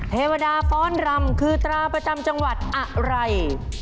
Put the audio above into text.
เทวดาฟ้อนรำคือตราประจำจังหวัดอะไร